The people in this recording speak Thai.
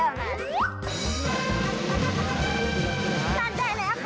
ย่าดาวเก่าอีกย้า